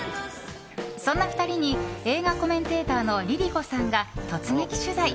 そんな２人に映画コメンテーターのＬｉＬｉＣｏさんが突撃取材。